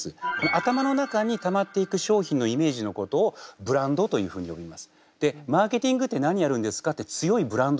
頭の中にたまっていく商品のイメージのことをブランドというふうに呼びます。